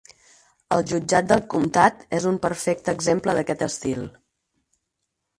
El jutjat del comtat és un perfecte exemple d'aquest estil.